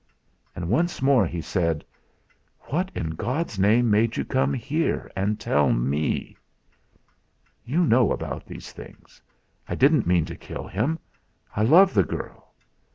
And once more he said: "What in God's name made you come here and tell me?" "You know about these things. I didn't mean to kill him. I love the girl.